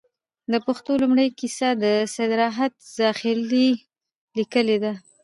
د پښتو لومړۍ لنډه کيسه، سيدراحت زاخيلي ليکلې ده